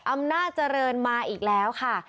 อำนาจเจริญมาอีกแล้วค่ะ